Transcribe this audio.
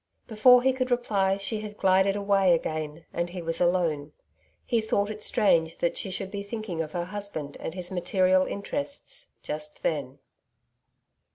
Before he could reply, she had glided away again and he was alone. He thought it strange that she should be thinking of her husband and his material interests just then.